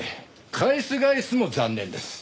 返す返すも残念です。